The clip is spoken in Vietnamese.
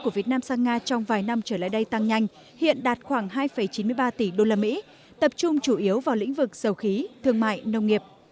ngoại giao sang nga trong vài năm trở lại đây tăng nhanh hiện đạt khoảng hai chín mươi ba tỷ usd tập trung chủ yếu vào lĩnh vực sầu khí thương mại nông nghiệp